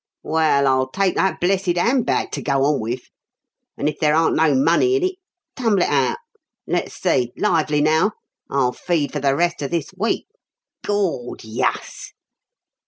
"Well, I'll take that blessed 'and bag to go on with; and if there aren't no money in it tumble it out let's see lively now! I'll feed for the rest of this week Gawd, yuss!"